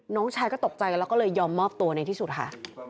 น้องชายก็ตกใจกันแล้วก็เลยยอมมอบตัวในที่สุดค่ะ